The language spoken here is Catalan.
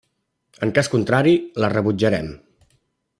En cas contrari la rebutjarem.